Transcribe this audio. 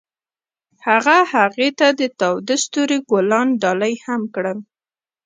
هغه هغې ته د تاوده ستوري ګلان ډالۍ هم کړل.